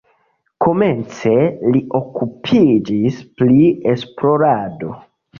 Komence li okupiĝis pri esplorado.